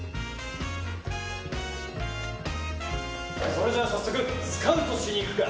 それじゃあ早速スカウトしに行くか。